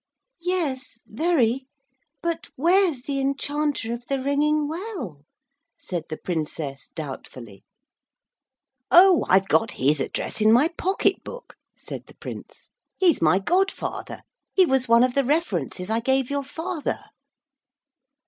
'Yes, very, but where's the Enchanter of the Ringing Well?' said the Princess doubtfully. 'Oh, I've got his address in my pocket book,' said the Prince. 'He's my god father. He was one of the references I gave your father.'